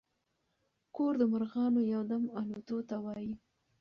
ګور د مرغانو يو دم الوتو ته وايي.